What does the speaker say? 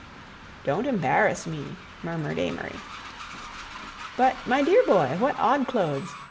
"Don't embarrass me," murmured Amory. "But, my dear boy, what odd clothes!